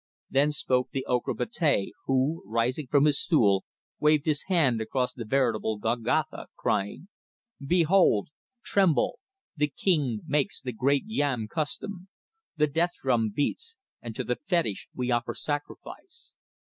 Then spoke the Ocra Betea, who, rising from his stool, waved his hand across the veritable Golgotha, crying: "Behold! Tremble! The King makes the great yam custom. The death drum beats, and to the fetish we offer sacrifice.